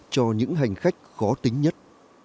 cho những hành khách khó tính nhất